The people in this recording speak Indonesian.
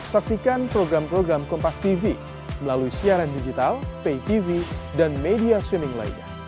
saksikan program program kompas tv melalui siaran digital pay tv dan media switming lainnya